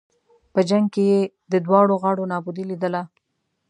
په جنګ کې یې د دواړو غاړو نابودي لېدله.